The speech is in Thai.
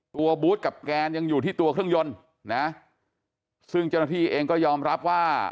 บูธกับแกนยังอยู่ที่ตัวเครื่องยนต์นะซึ่งเจ้าหน้าที่เองก็ยอมรับว่า